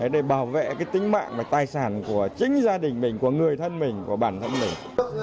để bảo vệ tính mạng và tài sản của chính gia đình mình của người thân mình của bản thân mình